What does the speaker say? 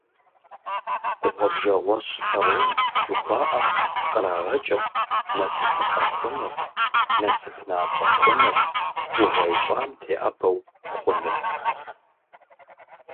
«Гъуэбжэгъуэщ лъагъун» жыхуаӏэм кърагъэкӏырт насыпыфӀэ хъуныр, насып натӀэ хъуныр, гугъэ ищӀам теӀэбэу хъуныр.